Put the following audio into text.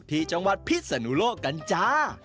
ที่จังหวัดพิษนุโลกกันจ้า